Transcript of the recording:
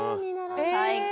最高。